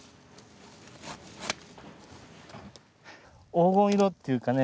黄金色っていうかね